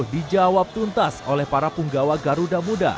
dijawab tuntas oleh para punggawa garuda muda